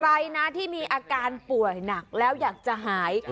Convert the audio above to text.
ใครนะที่มีอาการป่วยหนักแล้วอยากจะหาย